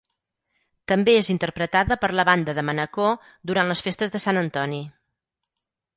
També és interpretada per la Banda de Manacor durant les festes de Sant Antoni.